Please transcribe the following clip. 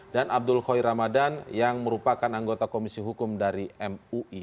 dan abdul khoi ramadan yang merupakan anggota komisi hukum dari mpb